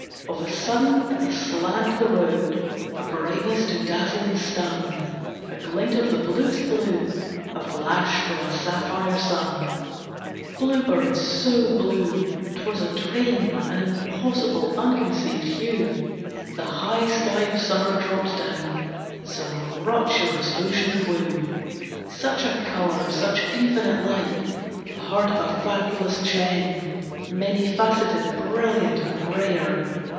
Of a sudden, aslant the road, A brightness to dazzle and stun, A glint of the bluest blue, A flash from a sapphire sun. Blue birds so blue, 't was a dream, An impossible, unconceived hue, The high sky of summer dropped down Some rapturous ocean to woo. Such a colour, such infinite light! The heart of a fabulous gem, Many faceted, brilliant and rare.